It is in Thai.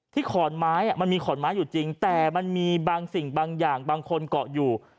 ขอนไม้มันมีขอนไม้อยู่จริงแต่มันมีบางสิ่งบางอย่างบางคนเกาะอยู่